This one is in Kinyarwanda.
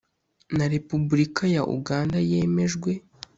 na Repubulika ya Uganda yemejwe